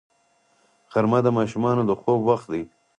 غرمه د ماشومانو د خوب وخت دی